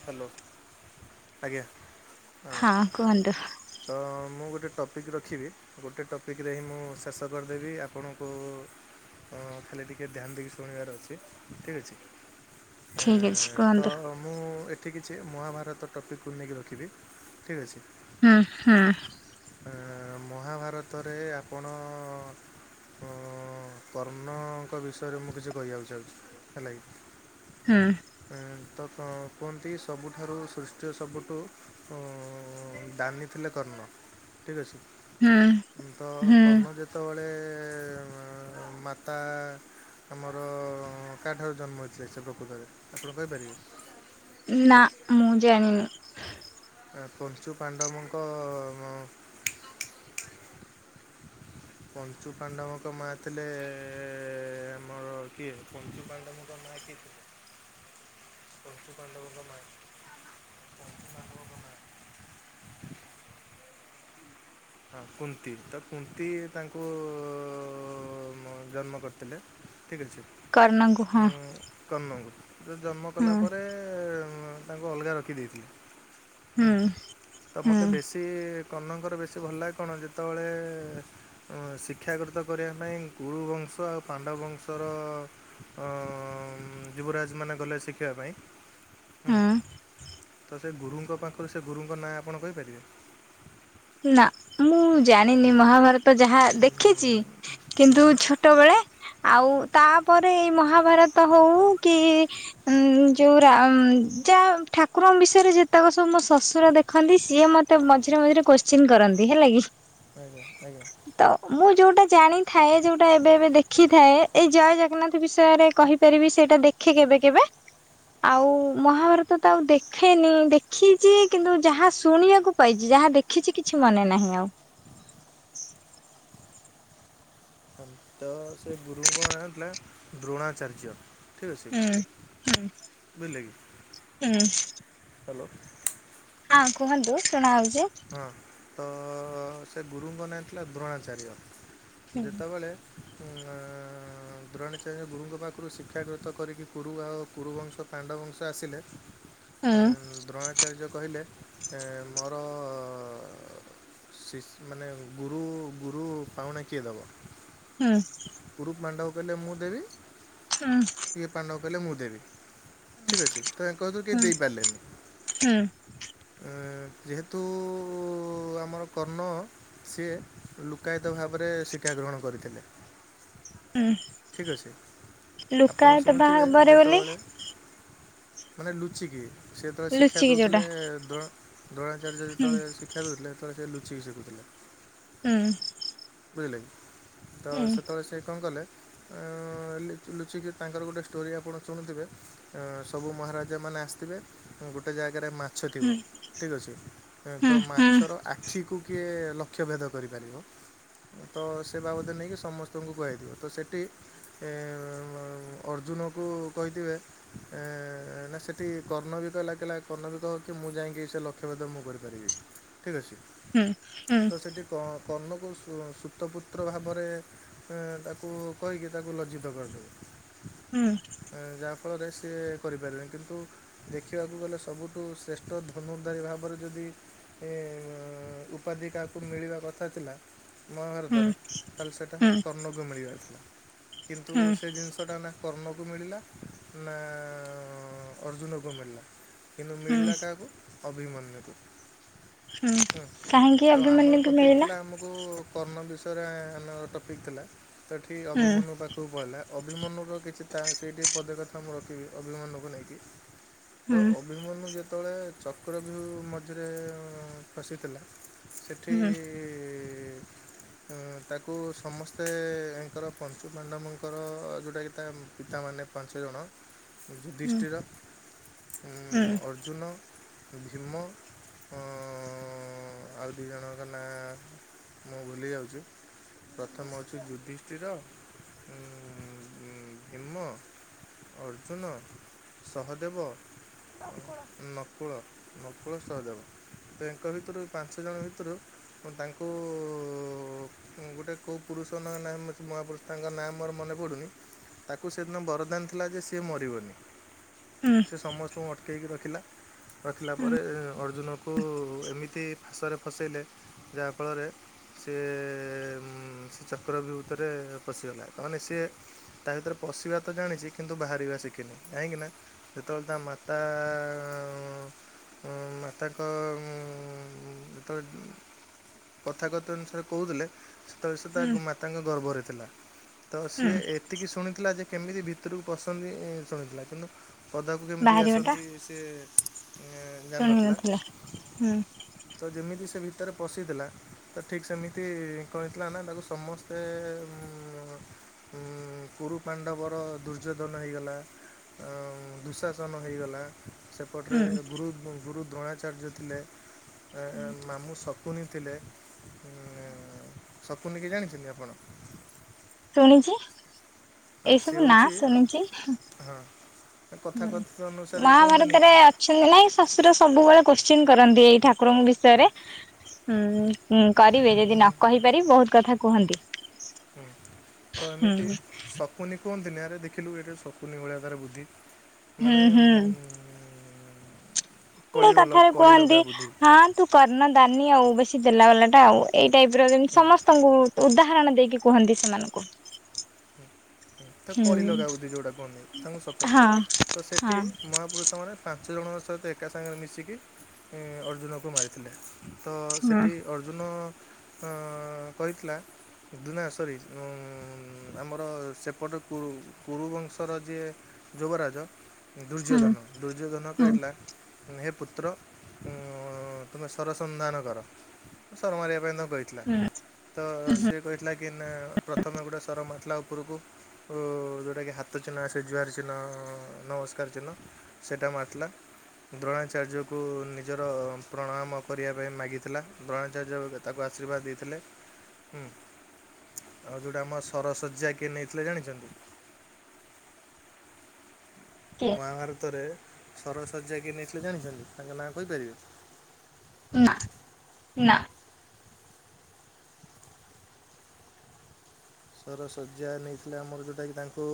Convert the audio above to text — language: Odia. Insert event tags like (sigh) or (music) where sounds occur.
ହ୍ୟାଲୋ ଆଜ୍ଞା। ହଁ କୁହନ୍ତୁ। ତ ମୁଁ ଗୋଟେ ଟପିକ୍ ରଖିବି। ଗୋଟେ ଟପିକରେ ହିଁ ମୁଁ ଶେଷ କରିଦେବି ଆପଣଙ୍କୁ। ତ ଖାଲି ଟିକେ ଧ୍ୟାନ ଦେଇକି ଶୁଣିବାର ଅଛି। ଠିକ୍ ଠିକ ଅଛି ଅଛି ତ କୁହନ୍ତୁ ମୁଁ ଏଠି କିଛି ମହାଭାରତ ଟପିକ କୁ ନେଇକି ରଖିବି ଠିକ୍ ଅଛି। ହୁଁ ହୁଁ। ଏଁ ମହାଭାରତରେ ଆପଣ ଆଁ ହଁ କର୍ଣ୍ଣଙ୍କ ବିଷୟରେ ମୁଁ କିଛି କହିବାକୁ ଚାହୁଁଛି ହେଲା କି। ହୁଁ। ତ କୁହନ୍ତି ସବୁଠାରୁ ସୃଷ୍ଟିର ସବୁଠୁ ଦାନି ଥିଲେ କର୍ଣ୍ଣ ଠିକ ଅଛି। ହୁଁ ତ ହୁଁ ତନୁ ଯେତେବେଳେ ମାତା ଆମର କାଠାରୁ ଜନ୍ମ ହେଇଥିଲେ ସେ ପ୍ରକୃତରେ ଆପଣ କହିପାରିବେ? ନାଁ ମୁଁ ଜାଣିନି। ଆ ପଞ୍ଚୁ ପାଣ୍ଡବଙ୍କ ମ ପଞ୍ଚୁ ପାଣ୍ଡବଙ୍କ ମା ଥିଲେ ଆମର କିଏ ପଞ୍ଚୁ ପାଣ୍ଡବଙ୍କ ମା କିଏ ଥିଲେ? ପଞ୍ଚୁ ପାଣ୍ଡବଙ୍କ ମାଆ ପଞ୍ଚୁ ପାଣ୍ଡବଙ୍କ ମାଆ ହଁ କୁନ୍ତି ତ କୁନ୍ତି ତାଙ୍କୁ ମ ଜନ୍ମ କରିଥିଲେ। ଠିକ୍ ଅଛି। କର୍ଣ୍ଣ ଙ୍କୁ ହଁ। କର୍ଣ୍ଣଙ୍କୁ ସେ ଜନ୍ମ କଲା ହୁଁ ପରେରେ ତାଙ୍କୁ ଅଲଗା ରଖିଦେଇଥିଲେ। ହୁଁ ତ ହୁଁ ମତେ ବେଶୀ କର୍ଣ୍ଣଙ୍କର ବେଶୀ ଭଲ ଲାଗେ କଣ ଯେତେବେଳେ ଶିକ୍ଷାଗୃତ କରିବା ପାଇଁ ଗୁରୁବଂଶ ଆଉ ପାଣ୍ଡବଂଶର ଅ ଯୁବରାଜ ମାନେ ଗଲେ ଶିଖିବା ପାଇଁ ହୁଁ ତ ସେ ଗୁରୁଙ୍କ ପାଖରୁ ସେ ଗୁରୁଙ୍କ ନାଁ ଆପଣ କହିପାରିବେ? ନା ମୁଁ ଜାଣିନି ମହାଭାରତ ଯାହା ଦେଖିଚି କିନ୍ତୁ ଛୋ ଛୋଟବେେଳେ ଆଉ ତାପରେ ଏଇ ମହାଭାରତ ହଉ କି ଉଁ ଯୋଉ ରାମ୍ ଯା ଠାକୁରଙ୍କ ବିଷୟରେ ଯେତକ ସବୁମୋ ଶଶୁର ଦେଖନ୍ତି ସିଏ ମତେ ମଝିରେ ମଝିରେ କୋଶ୍ଚିନ୍ କରନ୍ତି ହେଲା କି। ଆଜ୍ଞା-ଆଜ୍ଞା। ତ ମୁଁ ଯୋଉଟା ଜାଣିଥାଏ ଯୋଉଟା ଏବେ ଏବେ ଦେଖି ଥାଏ ଏଇ ଜୟ ଜଗନ୍ନାଥ ବିଷୟରେ କହିପାରିବି ସେଇଟା ଦେଖେ କେବେ କେବେ। ଆଉ ମହାଭାରତ ତ ଆଉ ଦେଖେନି ଦେଖିଚି କିନ୍ତୁ ଯାହା ଶୁଣିଆକୁ ପାଇଚି ଯାହା ଦେଖ୍ ଖିଚି କିଛି ମନେ ନାହିଁ ଆଉ। ତ ସେ ଗୁରୁଙ୍କ ନାଁ ଥିଲା ଦ୍ରୋଣାଚାର୍ଯ୍ୟ। ଠିକ୍ ଅଛି ହୁଁ ହୁଁ ହୁଁ। ହାଲୋ ହଁ କୁହନ୍ତୁ ଶୁଣା ଆଉଚି। ହଁ ତ ସେ ଗୁରୁଙ୍କ ନାଁ ଥିଲା ଦ୍ରୋଣାଚାର୍ଯ୍ୟ। ହୁଁ ଯେତେବେଳେ (inaudible) ଅଁ ଦ୍ରୋଣାଚାର୍ଯ୍ୟ ଗୁରୁଙ୍କ ପାଖୁରୁ ଶିକ୍ଷାଗୃତ କରିକି କୁରୁ ଆଉ କୁରୁବଂଶ ପାଣ୍ଡବଂଶ ଆସିଲେ। ଏଁ ହୁଁ ଦ୍ରୋଣାଚାର୍ଯ୍ୟ କହିଲେ ଏ ମୋର ଅ ଶିଷ୍-ମାନେ ଗୁରୁ ଗୁରୁ ପାଉଣା କିଏ ଦବ? ହୁଁ। କୁରୁ ପାଣ୍ଡବ କହିଲେ ମୁଁ ଦେବି। ହୁଁ। କିଏ ପାଣ୍ଡବ କହିଲେ ମୁଁ ଦେବି ଠିକ୍ ଅଛି ତ ଆଙ୍କ ଭିତୁରୁ କେହି ହୁଁ ଦେଇ ପାରିଲେନି। ହୁଁ ଏଁ ଯେହେତୁ ଆମର କର୍ଣ୍ଣ ସିଏ ଲୁକାୟିତ ଭାବରେ ଶିକ୍ଷା ଗ୍ରହଣ କରିଥିଲେ। ହୁଁ। ଠିକ୍ ଅଛି। ଆପଣ ଶୁଣିୁଥିବେ ଭାବରେ ବୋଲି ଯେତେବେଳେ ମାନେ ଲୁଚିକି ସେ ଯେତେବେଳେ ଶିକ୍ଷା ଲୁଚିକି ଯୋଉଟା ଦଉଥିଲେ ଦ୍ରୋଣା-ଦ୍ରୋଣାଚାର୍ଯ୍ୟ ହୁଁ ଯେତେବେଳେ ଶି କ୍ଷା ଦଉଥିଲେ ହେତେଳେ ସେ ଲୁଚିିକି ଶିଖୁଥିଲେ। ହୁଁ। ବୁଝିଲେକି ତ ହୁଁ ସେତେବେଳେ ସେ କଣ କଲେ ଏଁ ଲିଚ୍-ଲୁଚିକି ତାଙ୍କର ଗୋଟେ ଷ୍ଟୋରି ଆପଣ ଶୁଣୁଥିବେ ଏଁ ସବୁ ମହାରାଜା ମାନେ ଆସିଥିବେ ଗୋଟେ ଜାଗାରେ ମା ଛ ଥିବ ହୁଁ ଠିକ୍ ଅଛି। ଏଁ ତ ହୁଁ ହୁଁ ମାଛର ଆଖିକୁ କିଏ ଲ ଅକ୍ଷଭେଦ କରିପାରିବ ତ ସେ ବାବଦରେ ନେଇକି ସମସ୍ତଙ୍କୁ କୁହଇଦବ ତ ସେଇଠି ଏ ଅର୍ଜୁନକୁ କହିଥିବେ ଏ ନା ସେଠି କର୍ଣ୍ଣବି ତ ଲାଗିଲା କର୍ଣ୍ଣବି କହୁଚି ମୁଁ ଯାଇକି ସେ ଲକ୍ଷ୍ୟଭେଦ ମୁଁ କରିପାରିବି। ଠିକ ଅଛି। ହୁଁ ହୁଁ। ତ ସେଠି କ କର୍ଣ୍ଣକୁ ସ ସୁତପୁତ୍ର ଭାବରେଏ ତାକୁ କହିକି ତାକୁ ଲଜ୍ଜିତ କରିଦେଲେ ହୁଁ ଯାହା ଫଳରେ ସିଏ କରିପାରିବେ କିନ୍ତୁ ଦେଖିବାକୁ ଗଲେ ସବୁଠୁ ଶ୍ରେଷ୍ଠ ଧନୁର୍ଧାରୀ ଭାବରେ ଯଦି ଏ ଉପାଧି କାହାକୁ ମିଳିବା କଥା ଥିଲା। ମହାଭାରତରେ ତାହେଲେ ସେଇଟା ହୁଁ କର୍ଣ୍ଣକୁ ମିଳିବାର ଥିଲା କିନ୍ତୁ ହୁଁ। ସେ ଜିନିଷଟା ନା କର୍ଣ୍ଣକୁ ମିଳିଲା ନା ଅର୍ଜୁନକୁ ମିଳିଲା। କିନ୍ତୁ ହୁଁ ମିଳିଲା କାହାକୁ ଅଭିମନ୍ୟୁକୁ। ହୁଁ ହୁ କାହିଁକି ତ ଆମର ଅଭିମନ୍ୟୁକୁ ଟପିକ୍ ମିଳିଲା ଥିଲା ଆମକୁ କର୍ଣ୍ଣ ବିଷୟରେ ଆମ ଟପିକ୍ ଥିଲା ସେଠି ହୁଁ ଅଭିମନ୍ୟୁ ପାଖକୁ ପଳେଇିଲା। ଅଭିମନ୍ୟୁ ର କିଛି ତାର ସେଇଟି ପଦେ କଥା ମୁଁ ରଖିବି ଅଭିମନ୍ୟୁକୁ ନେଇକି ତ ହୁଁ ଅଭିମନ୍ୟୁ ଯେତେବେଳେ ଚକ୍ର ବିହୁ ମଝିରେ ଫସିଥିଲା। ସେଠି ହୁଁ ତାକୁ ସମସ୍ତେ ଏଙ୍କର ପଞ୍ଚୁମାଣ୍ଡବଙ୍କର ଯେଉଁଟାକି ତା ପିତାମାନେ ପାଞ୍ଚ ଜଣ ହୁଁ ଯୁଧିଷ୍ଠିରଥ, ହୁଁ ଅର୍ଜୁନ, ଭୀମ ହଁ ଆଉ ଦିଇ ଜଣ ଙ୍କ ନା ମୁଁ ଭୁଲି ଯାଉଛି। ପ୍ରଥମ ହଉଛି ଯୁଧିଷ୍ଠିର ଗିମ, ଅର୍ଜୁନ ସହଦେବ ନକୁଳ ନକୁଳ ସହଦେବ। ଏଙ୍କ ଭିତରୁ ପାଞ୍ଚ ଜଣ ଭିତରୁ ମୁଁ ତାଙ୍କୁ ଗୋଟେ କୋଉ ପୁରୁଷ ନ ନାହିଁ ମହାପୁରୁଷ ତାଙ୍କ ନାଁ ମୋର ମନେ ପଡ଼ୁନି ତାକୁ ସେଦିନ ବରଦାନ ଥିଲା ଯେ ସିଏ ମରିବନି। ହୁଁ ସେ ସମସ୍ତଙ୍କୁ ଅଟକେଇକି ରଖିଲା ରଖିଲା ପରେ ଅର୍ଜୁନକୁ ଏମିତି ଫା ସରେ ଫସେଇଲେ ଯାହାଫଳରେ ସେ ସେ ଚକ୍ରକ୍ରବଭୃତରେ ପଶିଗଲା ନହନେ ସେ ତା ଭିତରେ ପଶିବା ତ ଜାଣିଛି କିନ୍ତୁ ବାହାରିବା ଶିଖିନି କାହିଁକି ନା ଯେତେ ବେଳେ ତା ମାତା ମାତାଙ୍କ ଯେତେବେଳେ କଥା କଥା ଅନୁସାରେ କହୁଥିଲେ ସେତେବେଳେ ସେ ତା ହୁଁ ମାତାଙ୍କ ଗର୍ବରେ ଥିଲେ। ତ ହୁଁ ସିଏ ଏତିକି ଶୁଣିଥିଲା ଯେ କେମିତି ଭିତରକୁ ପସନ୍ତି ଶୁଣିଥିଲା କିନ୍ତୁ ପଦାକୁ କେମିତି ବାହାରିବଟା ଆସନ୍ତି ସେ ଶୁଣି ଜାଣିନଥିଲା। ନଥିଲେ ହୁଁ ତ ଯେମିତି ସେ ଭିତରେ ପଶିଥିଲା। ତ ଠିକ ସେମିତି କଣ ହେଇ ଥିଲା ନା ତାକୁ ସମସ୍ତେ ଉ ଉ କୁରୁ ପାଣ୍ଡବର ଦୁର୍ଯ୍ୟୋଧନ ହୋଇଇଗଲା ଦୁଃଶାସନ ହୋଇଇଗଲା ସେପଟରେ ହୁଁ ଗୁରୁ ଗୁରୁ ଦ୍ରୋଣାଚାର୍ଯ୍ୟ ଥିଲେ ମାମୁଁସକୁନି ଶୁଣିଥିଲେ ଥିଲେ ଶକୁନି କି ଜାଣିଛନ୍ତି ଆପଣ? ଶୁଣିଛି ହଁ ଏଇ ସେ ସବୁ ନାଁ ହେଉଛି ଶୁଣିଛି। ହଁ କଥା କ ଥିତ ଅନୁସାରେ କୁହନ୍ତିନି ଶୁନ ନା ଏ ଶଶୁର ସବୁବେଳେ କୋଶ୍ଚିନ୍ କରନ୍ତି ଏଇ ଠାକୁରଙ୍କ ବିଷୟରେ। ହୁଁ କରିବେ ଯଦି ନ କହିପାରିବି ବହୁତ କଥା କୁହନ୍ତି। ହୁଁ ତ ହୁଁ ଏମିତି ଶକୁନି କୁହନ୍ତିନି ଆରେ ଦେଖିଲୁ ଏଠି ଶକୁନି ଭଳିଆ ତାର ବୁଦ୍ଧି। ହୁଁ ମାନେ ଉ ହୁଁ ଏଇ କଥାରେ କୁହନ୍ତି ହା ତୁ କର୍ଣ୍ଣ ଦାନି ଆଉ ବେଶୀ ଦେଲା ବାଲା ଟା ଆଉ ଏଇ ଟାଇପ ର ଯେମିତି ସମସ୍ତଙ୍କୁ ଉଦାହରଣ ଦେଇକି କୁହନ୍ତି ସେମାନଙ୍କୁ। ତ କଳି ହୁଁ ଲଗା ବୁଦ୍ଧି ଯୋଉଟା କୁହନି ତାଙ୍କୁ ଶକୁୁନି ତ ସେଠି ମହାପୁରୁଷ ମାନେ ପାଞ୍ଚ ଜଣଙ୍କ ସହିତ ଏକା ସାଙ୍ଗରେ ମିଶିକି ଅର୍ଜୁନକୁ ମାରିଥିଲେ। ତ ସେଠି- ଅର୍ଜୁନ କହିଥିଲା ଦୁନା ସରି ଆମର ସେ ପଟେ କୁ କୁରୁବଂଶର ଯିଏ ଯୁବରାଜ। ଦୁର୍ଯ୍ୟୋଧନ ଦୁର୍ଯ୍ୟୋଧନ କହିିଥିଲା ହେ ପୁତ୍ର ଉମ ତୁମେ ସରସନ୍ଧାନ କର ସର ମାରିବା ପାଇଁ ତାଙ୍କୁ କହି ତ ସିଏ କହିଥିଲା କି ପ୍ରଥମେ ଗୋଟେ ସର ମାରଥିଲା ଉପରକୁ ଓ ଯୋଉଟା କି ହାତ ଚିହ୍ନ ସେ ଜୁଆର ଚିହ୍ନ ନମସ୍କାର ଚିହ୍ନ। ସେଇଟା ମାରିଥିଲା। ଦ୍ରୋଣାଚାର୍ଯ୍ୟକୁ ନିଜର ପ୍ରଣାମ କରିବା ପାଇଁ ମାଗିଥିଲା। ଦ୍ରୋଣାଚାର୍ଯ୍ୟ ତାକୁ ଆଶୀର୍ବାଦ ଦେଇଥିଲେ ହୁଁ। ଆଉ ଯୋଉଟା ଆମ ସରଶଯ୍ୟା କିଏ ନେଇଥିଲେ ଜାଣିଚନ୍ତି? ମହାଭାରତରେ ସରଶଯ୍ୟା କିଏ ନେଇଥିଲେ ଜାଣିଚନ୍ତି ତାଙ୍କ ନାଁ କହିପାରିବେ? ନା ନା। ସର ଶଯ୍ୟା ନେଇଥିଲେ ଆମର ଯେଉଟାକି ତାଙ୍କୁ